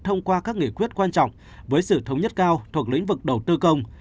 thông qua các nghị quyết quan trọng với sự thống nhất cao thuộc lĩnh vực đầu tư công